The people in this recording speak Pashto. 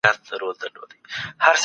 د مرتد لپاره هم سخت حکم سته.